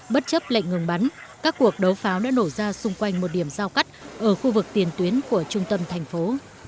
bất chấp lệnh ngừng bắn các cuộc đấu pháo đã nổ ra xung quanh một điểm giao cắt ở khu vực tiền tuyến của trung tâm thành phố